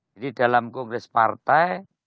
jadi dalam kongres partai